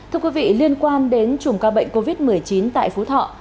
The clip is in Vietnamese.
thưa quý vị liên quan đến chùm ca bệnh covid một mươi chín tại phú thọ